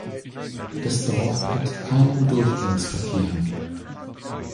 Das Dorf hat keinen Durchgangsverkehr.